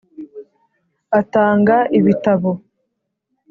atanga ibitabo